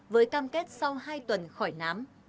với cam kết sau hai tuần khỏi nám